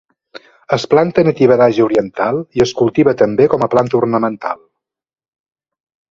Es planta nativa d'Àsia oriental i es cultiva també com a planta ornamental.